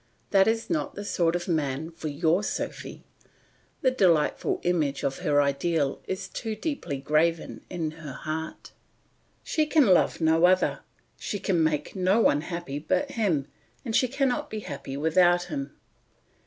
That is not the sort of man for your Sophy; the delightful image of her ideal is too deeply graven in her heart. She can love no other; she can make no one happy but him, and she cannot be happy without him.